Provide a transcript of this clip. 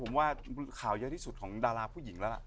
ผมว่าข่าวเยอะที่สุดของดาราผู้หญิงแล้วล่ะ